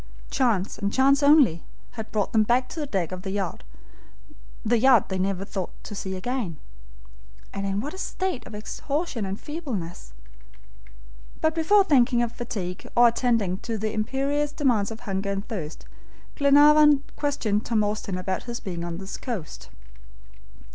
Chance, and chance only, had brought them back to the deck of the yacht they never thought to see again. And in what a state of exhaustion and feebleness. But before thinking of fatigue, or attending to the imperious demands of hunger and thirst, Glenarvan questioned Tom Austin about his being on this coast.